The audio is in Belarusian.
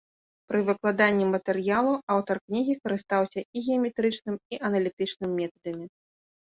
Пры выкладанні матэрыялу аўтар кнігі карыстаўся і геаметрычным, і аналітычным метадамі.